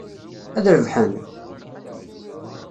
Ad rebḥen?